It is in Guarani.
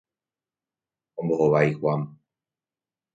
Ombohovái Juan.